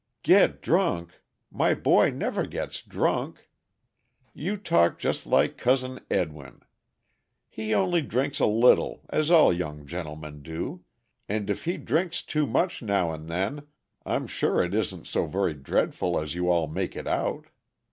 "Get drunk! My boy never gets drunk! You talk just like Cousin Edwin. He only drinks a little, as all young gentlemen do, and if he drinks too much now and then I'm sure it isn't so very dreadful as you all make it out.